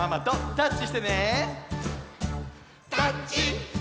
「タッチ！」